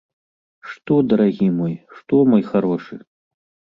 Што, дарагі мой, што, мой харошы?